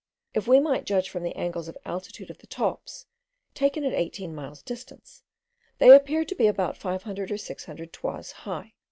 If we might judge from the angles of altitude of the tops, taken at eighteen miles' distance, they appeared to be about 500 or 600 toises high.